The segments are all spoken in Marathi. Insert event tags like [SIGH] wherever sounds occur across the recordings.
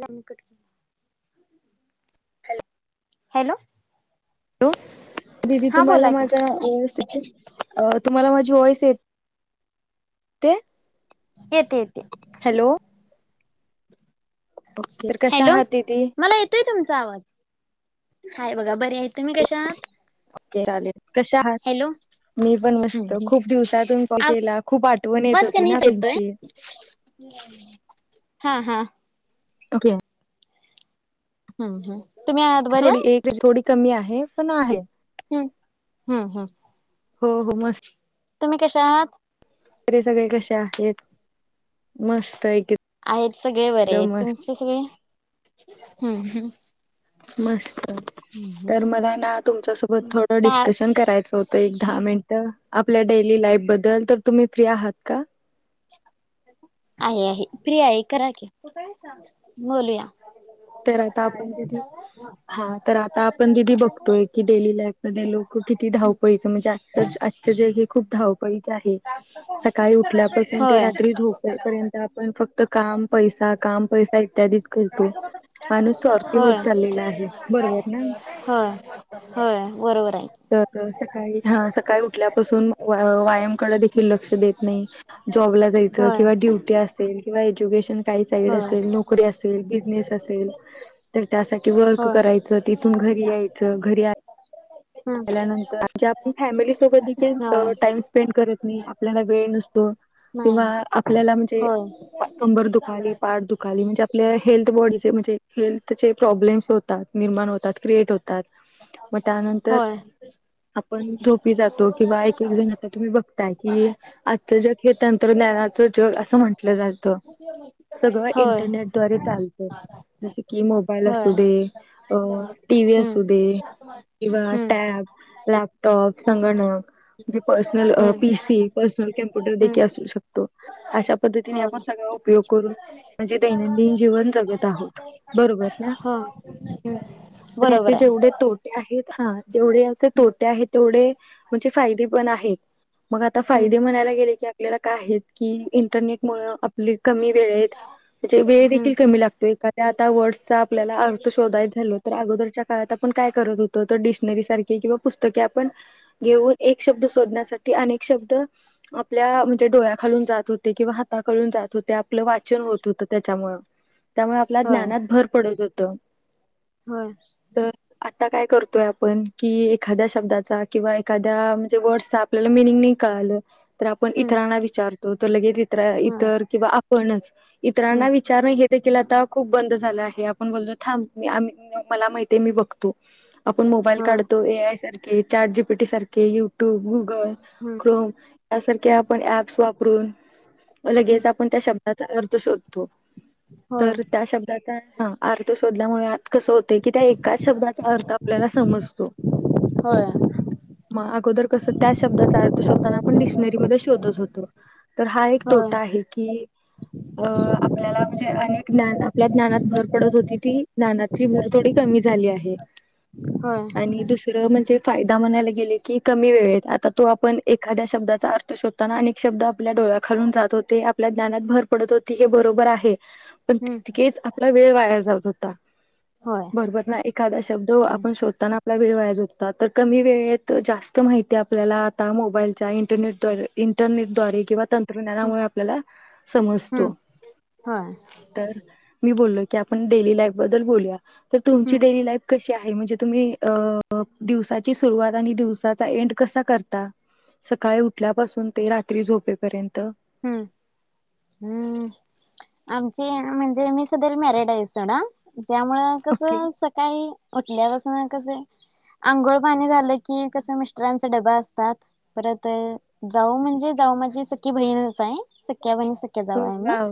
याम कट के [INAUDIBLE] हॅलो, हॅलो दिदी हा तुम्हाला बोला की माझा अ तुम्हाला माझी वॉइस य ते येते येते. तर कशा हॅलो आहात दीदी मला येतोय तुमचा आवाज हाय बघा बरी आहे तुम्ही कश आहात. चालेल कसे आहात. हॅलो मी पण मस्त खूप दिवसातून कॉल केला खूप आठवण येत आवाज होती कमी ना येतोय तुमची हा हा ओके. हम्म हम्म तुम्ही आहात बऱ्या थोडी एक थोडी कमी आहे पण आहे. हम्म हम्म हम्म हो हो मस्त तुम्ही कसे आहात. वरे सगळे कसे आहेत मस्त एक आहेत सगळे बरे आहेत तुमचे सगळे हम् मस्त तर मला ना तुमच्यासोबत थोडं का डिस्कशन करायचं होतं एक दहा मिनट आपल्या डेली लाईफ बद्दल तर तुम्ही फ्री आहात का? आहे आहे प्रिया आहे करा की बोलूया, ह तर आता आपण दिदी हा तर आता आपण दिदी बघतोय की डेली लाईफ मध्ये लोक किती धाव पळीच म्हणजे आजच जग आजचं जग हे खूप धाव सकाळी उठल्यापासून होय रात्री झोेपर्यंत आपण फक्त काम पै काम पैसा इत्यादीच करतो. माणूस स्वार्थी होत होय चाललेला आहे बरोबर ना. होय होय. बरोबर आहे तर सकाळी हा सकाळी उठल्यापासून व्यायाम लक्ष देत नाही. जॉब ला जायच होय किंवा ड्युटी असेल किंवा एडुकेशन होय नोकरी असेल बिझनेस असेल. वर्क होय करायचं तिथून घरी यायचं घरी. हम्म त्याल्यानंतर आच्या आपण फॅमिली सोबत होय देखील टाइम स्पेंड करत नाही. आपल्याला वेळ नसतो. किंवा नाही आपल्याला म्हणजे होय कंबर दुखाली पाठ दुखाली म्हणजे आपल्या हेल्थ बॉडी म्ह हेल्थ चे प्रॉब्लेम होतात निर्माण होतात. होय. आपण झोपी जातो किंवा एकेकजण आता तुम्ही बघता की आजच जग हे तंत्रज्ञानाचे जग जात सगळं होय इंटरनेट द्वारे चालत जस की मोबाईल होय असू दे अ टीव्ही हम्म असू दे. किंवा हम्म टॅब लॅपटॉप संगणक म्हणजे पर्सनल अ हम्म पी सी पर्सनल कॅम्प्युटर हम्म देखील असू शकतो अशा पद् मग होय सगळा उपयोग करून म्हणजे दैनंदिन जीवन जगत आहोत बरोबर ना हो पण याचे बरोबर आहे जेवढे तोटे आहेत हा जेवढे यांचे तोटे आहे तेवढे म्हणजे फायदे पण आहेत मग आता फायदे हम्म म्हणायला गेले की आपल्याला काय आहेत की इंटरनेट मुळ आपली कमी वेळेत त्याचे वेळ हम्म देखील कमी लागते एखाद्या आता वर्ड्सचा आपल्याला अर्थ शोधाय झाल तर अगोदरच्या त्या काळात आपण काय करत होतो तर डिक्शनरी सारखे किंवा पुस्तके आपण घेऊन एक शब्द शोधण्यासाठी अनेक शब्द आप आपल्या म्हणजे डोळ्या खालून जात होते किंवा हाताखालून जात होते आपलं वाचन होत होतं त्याच्यामुळ त्यामुळे आपल्या ज्ञानात भर पडत होत व्हय आता काय करू तोय आपण की एखाद्या शब्दाचा किंवा एखाद्या म्हणजे वर्ड्सचा आपल्याला मिनिंग नाही कळालं तर आपण हम्म इतरांना विचारतो तर लगेच इतर होय इतर किंवा आपणच हम्म इतरांना विचार नाही घेत देखील आता खूप बंद झालं आहे आपण बोललो थांब मी आम्ही मी मला माहिती आहे मी बघतो आपण मोबाईल होय काढतो ए आय सारखे चॅट जी पी टी सारखे युट्यूबु हम्म क्रोम यासारखे हम्म आपण अँपस वापरून हम्म लगेच आपण त्या शब्दाचा अर्थ शोधतो होय तर त्या शब्दाचा हा अर्थ शोधल्यामुळे आ कस होतय की त्या एकाच शब्दाचा अर्थ आपल्याला समजतो होय म अगोदर कस त्या शब्दाचा अर्थ शोधताना आपण डिक्शनरी मध्ये शोधत होतो तर हा एक होय तोटा आहे की अ आपल्याला म्हणजे अनेक ज्ञान आपल्या ज्ञनात भर पडत होती ती ज्ञानाची भर थोडी कमी झाली आहे होय आणि दुसरं म्हणजे फायदा म्हणायला गेले की कमी वेळेत आता तो आपण एखाद्या शब्दाचा अर्थ शोधताना अनेक शब्द आपल्या डोळ् डोळ्या खालून जात होते आपल्या ज्ञनात भर पडत होती हे बरोबर आहे पण हम्म तितकेच आपला वेळ वाया जात होता होय बरोबर ना एखादा शब्द आप हम्म शोधताना आपला वेळ वाया जो होता तर कमी वेळेत जास्त माहिती आपल्याला आता मोबाईलच्या इंटरनेट द्वारे इंटरनेटद्वारे किंवा तंत्रज्ञानामुळे आपल्याला हम्म समजतो होय तर मी बोललोय की आपण डेली लाईफ बद्दल बोलूया तर तुमची हम्म डेली लाईफ कशी आहे म्हणजे तुम्ही अ दिवसाची सुरुवात आणि दिवसाचा एन्ड कसा करता सकाळी उठल्यापासून ते रात्री झोपेपर्यंत हम्म हम्म आमची म्हणजे मी सधल मॅरेड आहे सोडा त्यामुंळ ओके कसं सकाळी उठल्यापासन कसं आंघोळ पाणी झालं की कस मिस्टरांचा डबा असतात परत जाऊ म्हणजे माझी सक्की बहीणच आहे सख्या बहीण सख्या हो, जावा आहे आम्ही वाव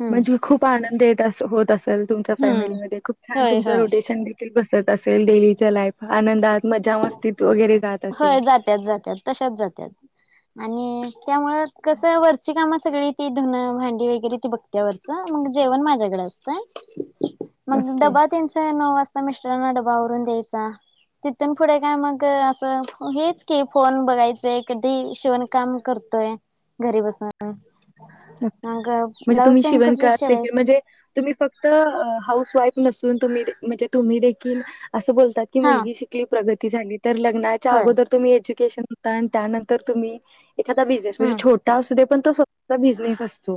हम्म म्हणजे खूप आनंद येत अस होत तुमच्या हम्म फॅमिलीमध्ये खूप छान होय तुमच होय रोटेशन देखील बसत असेल डेलीच्या लाईफ आनंदात मज्जा मस्तीत वगैरे जात असतील होय जात्यात जात्यात तशाच जात्यात आणि त्यामुळ कसं वरची काम सगळी ती धुनं भांडी वगैरे ती बघत्या वरचं मग जेवण माझ्याकड असतंय मग ओके डबा त्यांचा आहे नऊ वाजता मिस्टरांना डबा आवरून द्यायचा तिथून पुढे काय मग असं हेच की फोन बघायचंय कधी शिवण काम करतोय घरी बसून मग म्हणजे ब्लाऊज तुमी तेन शिवण कुठे क्ला पेकिल शिवायचं म्हणजे तुमी फक्त हाऊस वाईफ नसून तुमी दे म्हणजे तुमी देकील असं बोलता की हा मुलगी शिकली प्रगती झाली. तर लग्नाच्या होय अगोदर तुमी एज्युकेशनता त्यानंतर तुमी एखादा बिझनेस म्हणजे हम्म छोटा असूदे पण तो स्वतचा बिझनेस असतो.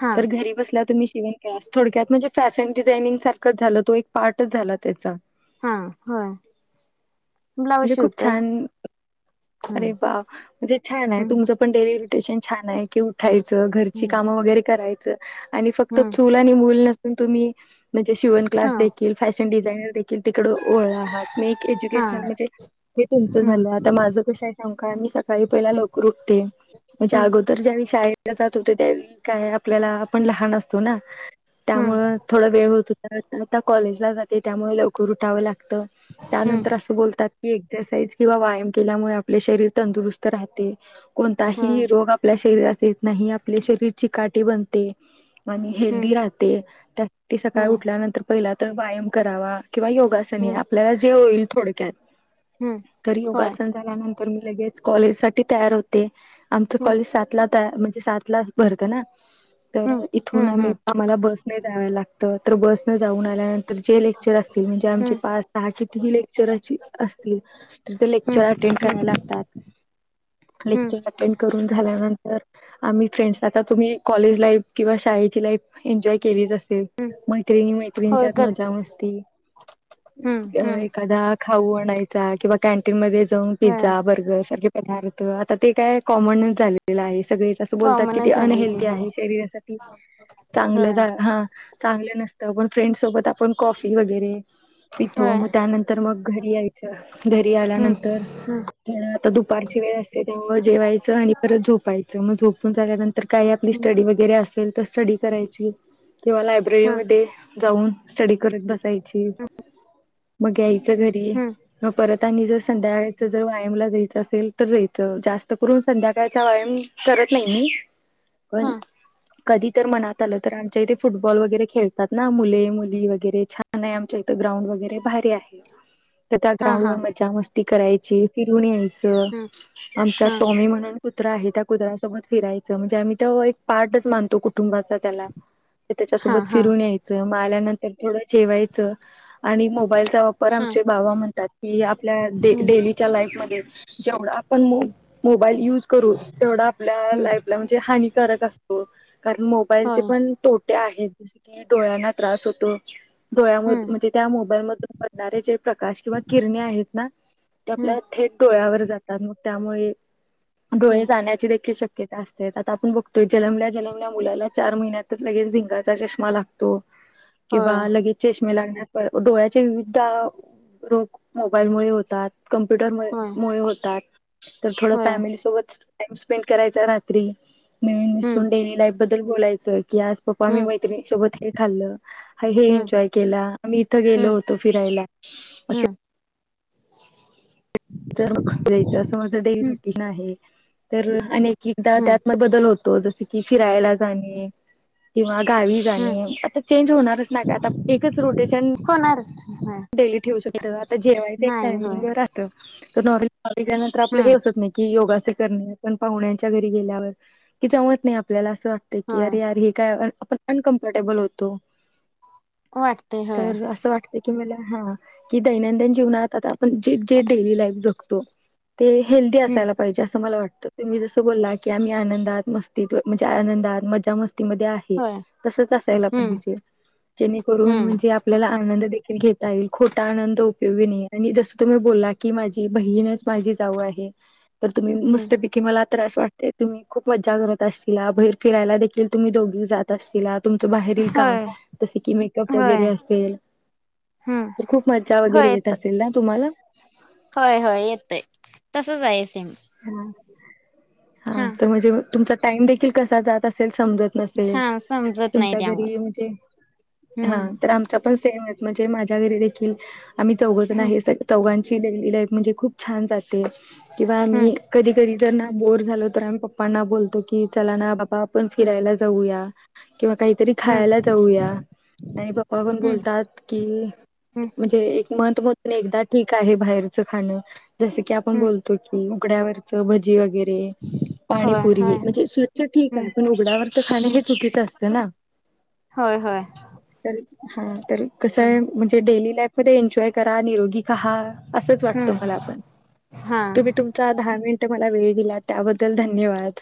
हा तर घरी बसल्या तुमी शिवण थोडक्यात म्हणजे फॅसन डिझाइनिंग सारखंच झालं तो एक पार्टच झाला तेचा. हा होय ब्लाऊज म्हणजे खूप शिवतोय. छान अरे हम्म वा म्हणजे छानय हम्म तुमचं पण डेली रुटेशन छानय की, उठायच घरची हम्म काम वगैरे करायच आणि फक्त हम्म चूल आणि मुल नसून तुमी म्हणजे शिवन हा क्लासदेखील फॅशन डिझायनर देखिल तिकड ओळला आहात मे एक हा एज्युकेशनल म्हणजे हे तुमचं हम्म झालं आता माज सांगु काय मी सकाळी पहिला हम्म लवकर उठतोय, म्हणजे हम्म अगोदर ज्यावेळी शाळेला जात हुतो त्यावेळी काय आपल्याला आपण लहान असतो ना त्यामुळ हम्म थोड वेळ होत हुत आता कॉलेजला जाते त्यामुळे लवकर उठावं लागत हम्म त्यानंतर असं बोलतात, एक्सरसाइज किंवा व्यायाम केल्यामुळे आपले शरीर तंदुरुस्त राहतेय. होय कोणताही रोग आपल्या शरीरास येत नाही, आपले शरीर चिकाटी बनते. आणि हम्म हेल्दी राहतेय त्यात ते सकाळी हम्म उटल्यानंतर पहिला तर व्यायाम करावा किंवा योगासन हम्म आपल्याला जे येईल थोडक्यात हम्म तर होय योगासन झाल्यानं तर मी लगेच कॉलेजसाटी तयार होते, आमच हम्म कॉलेज सातला ता म्हणजे सातला भरत ना तर हम्म इथून हम्म आमी हम्म आमाला बस न जावे लागतं तर बस ने जाऊन आल्यानं तर जे लेक्चर असतील म्हणजे आमचे हम्म पाच सहा कितीही लेक्चर अची असतील तर ते हम्म लेक्चर अटेंड राय हम्म लागतात, हम्म लेक्चर अटेंड करून झाल्यानंतर आमी फ्रेंड्स आता तुमी कॉलेज लाईफ किंवा शाळेची लाईफ एन्जॉय केलीच असेल. मैत्रिणी होय मैत्रिणिंच्यात मजा करते मस्ती हम्म अ हम्म एखादा खाऊ आणायचा किंवा कॅन्टीन मदे जाऊन होय पिझ्झा बर्गर सारके पदार्थ आता ते काय कॉमन झालेलं आये सगळीच अस बोलतात की कॉमनच झालंय ते अनहेल्दि होय आहे शरीरासाटी चांगल होय जा ह चांग ण फ्रेंड सोबत आपण कॉफी वगैरे पितो होय म त्यानंतर मग घरी यायचं घरी हम्म आल्यानंतर आता दुपारची वेळ असते त्यामुळ जेवायचं आणि परत झोपायचं म झोपून झाल्यानंतर तर काय आपली हम्म स्टडी वगैरे असेल तर स्टडी करायची किंवा हा लायब्ररीमदे जाऊन स्टडी करत बसायची मग घ्याय च घरी हम्म म परत आणि जर संद्याकाळी जर वायमला जयचं असेल तर जयचं, जास्त करून संद्याकाळच वायाम करत नइ मी हा पण कधी तर मनात आलं तर आमच्या इते फुटबॉल वगैरे खेळतात ना मुले मुली वगैरे छानए आमच्या इत ग्राउंड वगैरे भारी आहे. तर त्या हा ग्राउंड वर हा मजा मस्ती करायची फिरून यायचं हा आमचा हा टॉमी म्हणून कुत्रा आहे त्या कुत्र्यासोबत फिरायचं म्हणजे आम्ही तव एक पार्टच मानतो कुट कुटुंबाचा त्याला तेच्यासोबत हा हा फिरून यायचं, म आल्यानंतर थोडं जेवायचं. आणि मोबाईलचा वापर हा आमचे बाबा म्हणतात की आपल्या डे हम्म डेली लाईफ मदे जेवड आपण मो हम्म मोबाईल युज तेवड आपन आपल्या हम्म लाईफला म्हणजे हनीकारक असतो कारण मोबाईलचे होय पण टोट टे आहेत, जस की डोळ्यांना त्रास होतो. डोळ्याम हम्म म्हणजे त्या मोबाईल मदुन पडणारे जे प्रकाश किंवा किरणे आहेत ना ते हम्म आपल्या थेट डोळ्यावर जातात मग त्यामुळे हम्म डोळे जाण्याची देखील शक्य ता असतेत, आता आपण बगतोय जलमल्या जलमल्या मुलाला चार महिन्यातच लगेच भिंगाचा चष्मा लागतो. किंवा होय लगे चेष [UNINTELLIGIBLE] डोळ्याचे विविध रोग मोबाईल मुळे होतात. कम्प्युटर मु होय मुळे होतात, तर थोडं होय फॅमिली सोबत टाइम स्पेंड करायचा रात्री, हम्म नवीन [UNINTELLIGIBLE] डेली लाईफ बद्दल बोलायचं की आज पप्पा आमी हम्म मैत्रीणी सोबत हे खाल्लं, हे हम्म एन्जॉय केला, आम्ही इथं गेलो हम्म होतो फिरायला, ला हम्म तर मग जायचं असं माझं डेली हम्म रुटीन आहे तर आनी एकेकदा हम्म त्यात म बदल होत. त जस कि फिरायला जाणे, किंवा गावी हम्म जाणे. आता चेंज होणारच ना, काय आता एकच रोटेशन होणारच की होय डेली ठेवू शकत नाही आता जेवायच एक नाही टाइमिंग होय राहतं, तर नॉर्मली त्या नंतर आपलं हे हम्म असत नाही, की योग पण पाहूण्याच्या घरी गेल्यावर की जावत नाही आपल्याला, अस वाटत, की होय अरे यार हे काय? आपण अनकम्फर्टेबल होतो. वाटते ह. कि म्हनल हा, की दैनंदिन जीवनात आता आपण ज जे डेली लाईफ जगतो ते हेल्दी हम्म असायला पाहिजे, असं मला वाटतं. तर तुम्ही जस बोलला, की आम्ही आनंदात, मस्तीत म्हणजे आनंदात, मजा मस्त मध्ये आहे. होय तसच असायला हम्म पाहिजे, जेणेकरून हम्म म्हनजे आपल्याला आनंद देखी घेता येईल, खोटा आनंद उपयोगी नाही, आणि जस तुम्ही बोला की माझ ती बहीणच माझी जाऊ आहे. तर तुम्ही हम्म मस्तपैकी मला त्रास वाटते तुम्ही खूप मज्जा करत असशिला. बहेर फिरायला देखील तुम्ही दोघी जात असशिला तुमचं बाहेरील काम, होय जसे की, मेकअप होय वगैरे असेल. हम्म तर खूप मज्जा वगैरे येत असल ना? तुम्हाला. होय होय येतय तसच आहे सेम हम्. हा, तर म्हणजे, तुमचा टाइम देखील कसा जात असेल? समजत नसेल, हा समजत नाही तुमच्या त्यामुळं घरी म्हणजे हा, हम्म तर आमचा पण सेम म्हणजे माझ्या घरी देखील आम्ही चौघच जण आहेत, चौघांची डेली लाईफ म्हणजे खूप छान जात ते किंवा हम्म मी कधी कधी ना, बोर झालो तर, आम्ही पप्पांना बोलतो की, चला ना बापा आपण फिरायला जाऊया. किंवा काहीतरी हम्म खायला जाऊया. आणि पप्पा पण हम्म बोलतात की, हम्म म्हणजे एक मत पण एकदा ठीक आहे बाहेरचं खाणं, जसं की आपण हम्म बोलतो, की उघड्यावरच भजी वगैरे होय पाणीपुरी, होय म्हणजे स्वच्छ ठीक आहे. हम्म पण उघड्यावरच खाण हम्म हे चुकीचं असतं ना? होय होय तर, ह. कस आहे, म्हणजे डेली लाईफ मध्ये एन्जॉय करा निरोगी रहा असंच वाटतं हम्म मला पण हा मिनटं मला वेळ दिला, त्याबद्दल धन्यवाद.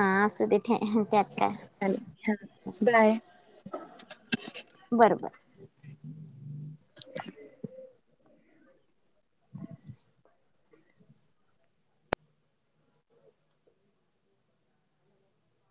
हा असू दे त्यात काय हॅलो हा. बाय. बरोबर